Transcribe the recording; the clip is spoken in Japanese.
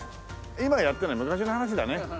今はやってない昔の話だね。